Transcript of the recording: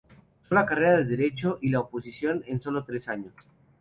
Cursó la carrera de Derecho y la oposición en solo tres años.